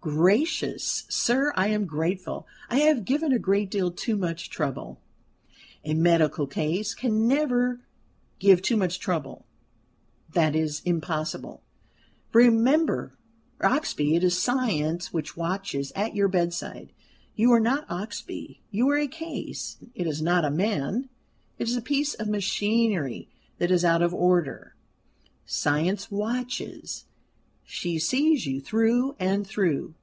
"Gracious sir, I am grateful. I have given a great deal too much trouble." "A medical case can never give too much trouble that is impossible. Remember, Oxbye, it is Science which watches at your bedside. You are not Oxbye; you are a case; it is not a man, it is a piece of machinery that is out of order. Science watches: she sees you through and through.